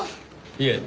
いえ。